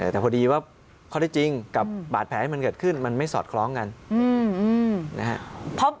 แต่พอดีว่าข้อได้จริงกับบาดแผลที่มันเกิดขึ้นมันไม่สอดคล้องกันนะครับ